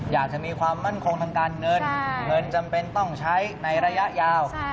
อยากจะมีความมั่นคงทางการเงินเงินจำเป็นต้องใช้ในระยะยาว